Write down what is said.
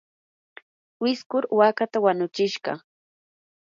wiskur waakata wanutsishqa.